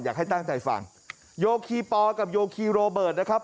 อยากให้ตั้งใจฟังโยคีปอลกับโยคีโรเบิร์ตนะครับ